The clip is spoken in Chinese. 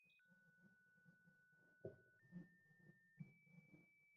艾伦瑞克认为自己是犹太人。